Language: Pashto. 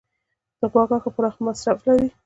د غوا غوښه پراخ مصرف لري.